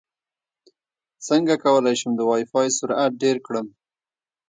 څنګه کولی شم د وائی فای سرعت ډېر کړم